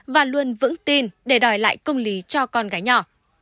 và luôn vững tin để đòi lại công lý cho con gái nhỏ